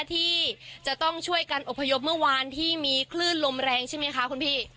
ที่จะต้องช่วยกันอบพยพเมื่อวานที่มีคลื่นลมแรงใช่ไหมคะคุณพี่